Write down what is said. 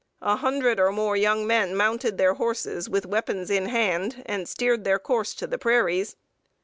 A hundred or more young men mounted their horses, with weapons in hand, and steered their course to the prairies.